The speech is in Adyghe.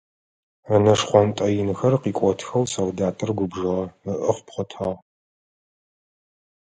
Ынэ шхъонтӏэ инхэр къикӏотхэу солдатыр губжыгъэ, ыӏэ къыпхъотагъ.